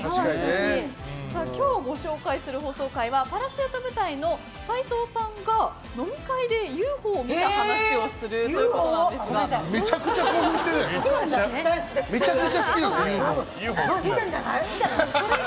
今日ご紹介する放送回はパラシュート部隊の斉藤さんが飲み会でＵＦＯを見た話をするということですが。